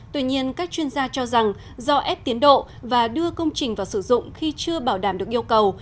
tuy nhiên các chuyên gia cho rằng do ép tiến độ và đưa công trình vào sử dụng khi chưa bảo đảm được yêu cầu